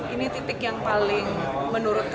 ini titik yang paling menurut